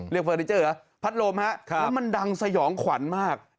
เรียกเฟอร์นิเจอร์พัดลมแล้วมันดังสยองขวัญมาก